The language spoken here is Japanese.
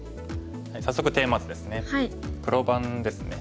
早速テーマ図ですね。